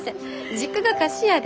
実家が菓子屋で。